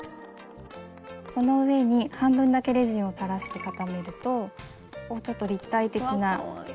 その上に半分だけレジンを垂らして固めるとちょっと立体的な。わかわいい！